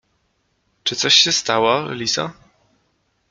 — Czy coś się stało Lizo?